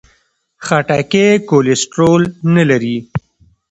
خټکی کولیسټرول نه لري.